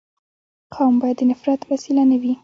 قوم باید د نفرت وسیله نه وي.